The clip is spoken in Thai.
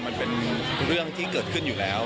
มันเป็นเรื่องที่เกิดขึ้นอยู่แล้ว